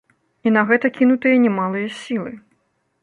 І на гэта кінутыя немалыя сілы.